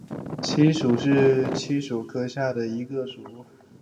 漆属是漆树科下一属。